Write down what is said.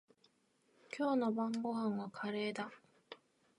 今日の晩ごはんはカレーだ。